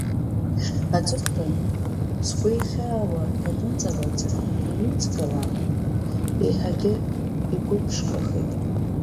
Аҵыхәтәан, сгәы ихьаауа ианыҵалаӡа, иҩит скалам, еиҳагьы игәыԥшқахеит!